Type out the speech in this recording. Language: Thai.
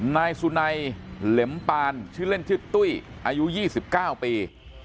นายสุนัยเหล็มปานชื่อเล่นชื่อตุ้ยอายุ๒๙ปี